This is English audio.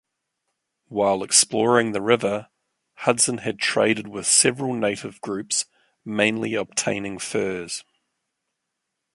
While exploring the river, Hudson had traded with several native groups, mainly obtaining furs.